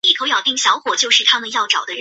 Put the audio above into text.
首府普热梅希尔。